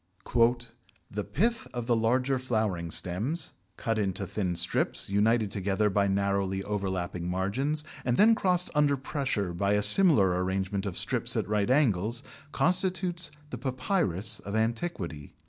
"The pith of the larger flowering stems ... cut into thin strips, united together by narrowly overlapping margins, and then crossed under pressure by a similar arrangement of strips at right angles, constitutes the Papyrus of antiquity."